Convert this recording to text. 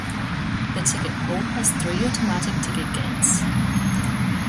The ticket hall has three automatic ticket gates.